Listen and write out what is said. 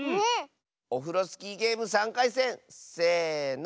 オフロスキーゲーム３かいせんせの。